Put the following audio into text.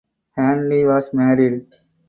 Handley was married.